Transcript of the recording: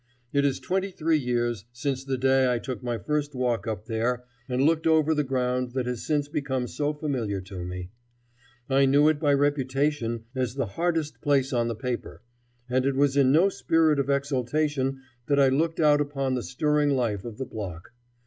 It is twenty three years since the day I took my first walk up there and looked over the ground that has since become so familiar to me. I knew it by reputation as the hardest place on the paper, and it was in no spirit of exultation that I looked out upon the stirring life of the block.